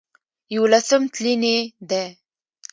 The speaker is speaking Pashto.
يوولسم تلين يې دی